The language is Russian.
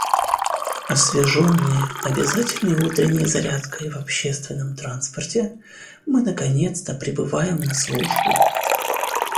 Освеженные обязательной утренней зарядкой в общественном транспорте, мы наконец-то прибываем на службу.